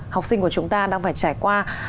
học sinh của chúng ta đang phải trải qua